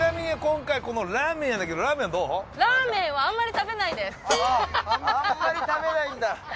あんまり食べないんだ。